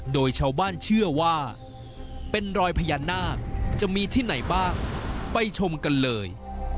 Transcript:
โดยชาวบ้านเชื่อว่าเป็นรอยพญานาคจะมีที่ไหนบ้างไปชมกันเลย